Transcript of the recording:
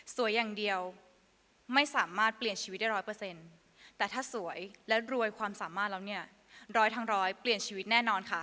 อย่างเดียวไม่สามารถเปลี่ยนชีวิตได้ร้อยเปอร์เซ็นต์แต่ถ้าสวยและรวยความสามารถแล้วเนี่ยร้อยทั้งร้อยเปลี่ยนชีวิตแน่นอนค่ะ